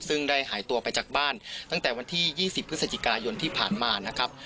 ซึ่งได้หายตัวไปจากบ้านตั้งแต่วันที่๒๐พฤศจิกายนที่ผ่านมานะครับ